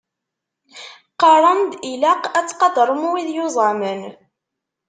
Qqaren-d ilaq ad tqadrem wid yuẓamen.